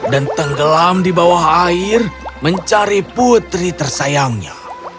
dan tenggelam di bawah air mencari putri tersayangnya